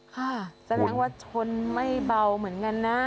ค่ะแสดงว่าชนไม่เบาเหมือนกันนะ